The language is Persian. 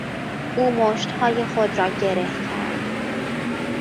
او مشتهای خود را گره کرد.